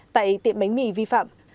tại tiệm bánh mì vi phạm